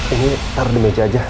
ini ntar di meja aja